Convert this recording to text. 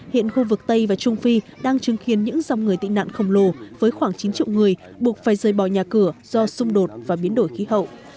hiện khu vực tây và trung phi đang chứng kiến những dòng người tị nạn khổng lồ với khoảng chín triệu người buộc phải rời bỏ nhà cửa do xung đột và biến đổi khí hậu